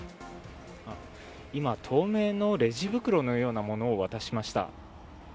今、透明のレジ袋のようなものを渡しました。